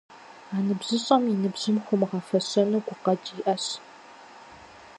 А ныбжьыщӀэм и ныбжьым хуумыгъэфэщэну гукъэкӀ иӀэщ.